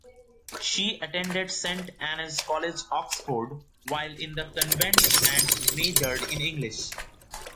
She attended Saint Anne's College, Oxford, while in the convent and majored in English.